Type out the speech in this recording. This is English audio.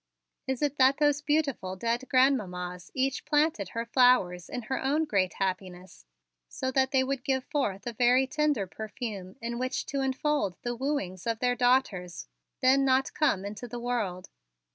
Is it that those beautiful dead Grandmammas each planted her flowers in her own great happiness so that they would give forth a very tender perfume in which to enfold the wooings of their daughters then not come into the world?